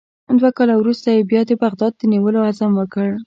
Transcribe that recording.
دوه کاله وروسته یې بیا د بغداد د نیولو عزم وکړ.